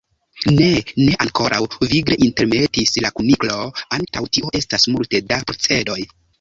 "Ne, ne ankoraŭ," vigle intermetis la Kuniklo. "Antaŭ tio estas multe da procedoj."